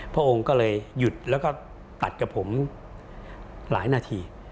พระองค์ก็เลยหยุดแล้วก็ตัดกับผมหลายนาที